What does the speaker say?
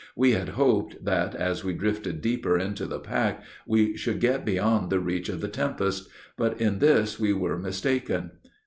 We had hoped that, as we drifted deeper into the pack, we should get beyond the reach of the tempest; but in this we were mistaken.